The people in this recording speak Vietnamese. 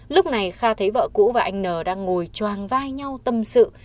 lúc này kha thấy vợ cũ và anh n đang ngồi tròng vai nhau tâm sự